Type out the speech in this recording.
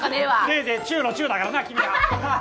せいぜい中の中だからな君は。